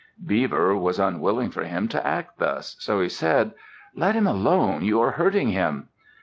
Beaver was unwilling for him to act thus, so he said, "Let him alone! You are hurting him!"